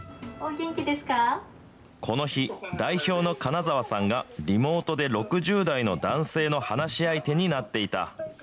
この日、代表の金澤さんがリモートで６０代の男性の話し相手になっていた。